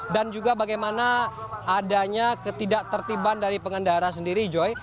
dan juga bagaimana adanya ketidak tertiban dari pengendara sendiri joy